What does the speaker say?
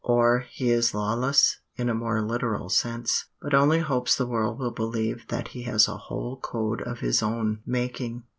Or he is lawless in a more literal sense, but only hopes the world will believe that he has a whole code of his own making.